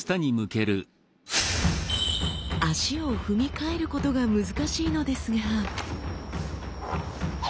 足を踏み替えることが難しいのですが。